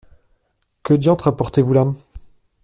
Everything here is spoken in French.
Que diantre apportez-vous là ?